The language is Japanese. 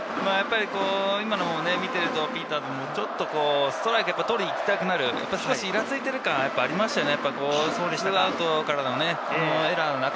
今のを見ているとピーターズもちょっとストライク取りに行きたくなる、少しイラついてる感がありましたよね。